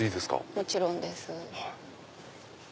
もちろんです。